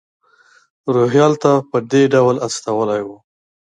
روهیال ته په دې ډول استولی و.